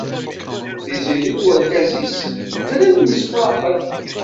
Tiziri d urgaz-is ddren msefraqen.